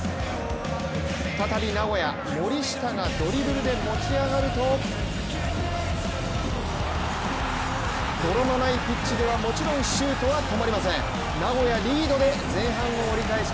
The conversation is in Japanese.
再び名古屋、森下がドリブルで持ち上がると泥のないピッチではもちろんシュートは止まりません。